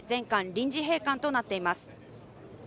臨時閉館となっています。